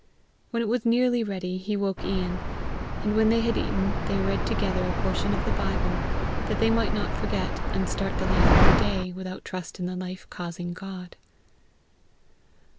When it was nearly ready, he woke Ian, and when they had eaten, they read together a portion of the Bible, that they might not forget, and start the life of the day without trust in the life causing God.